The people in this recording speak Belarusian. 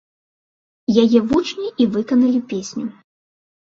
Яе вучні і выканалі песню.